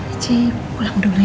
ichi pulang dulu ya